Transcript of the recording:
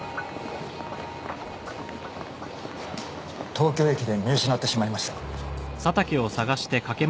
東京駅で見失ってしまいました。